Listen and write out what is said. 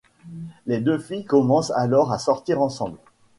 Les deux filles commencent alors à sortir ensemble.